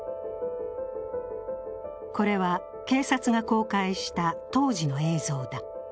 これは警察が公開した当時の映像だ。